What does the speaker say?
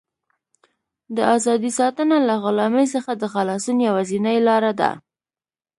د ازادۍ ساتنه له غلامۍ څخه د خلاصون یوازینۍ لاره ده.